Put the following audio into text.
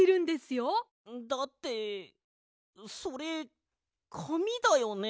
だってそれかみだよね？